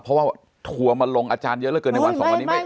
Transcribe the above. เพราะว่าถั่วมาลงอาจารย์เยอะเกินในวันสองวันนี้ไม่ใช่นะ